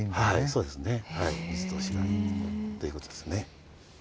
そうですね水通しがいいっていう事ですね。